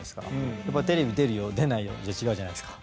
やっぱりテレビ出るよ、出ないよじゃ違うじゃないですか。